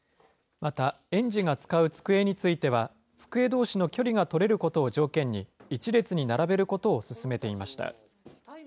また、園児が使う机については、机どうしの距離が取れることを条件に、一列に並べることを勧めていました。